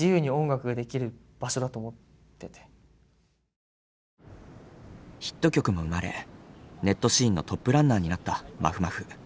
どんなにヒットしてもヒット曲も生まれネットシーンのトップランナーになったまふまふ。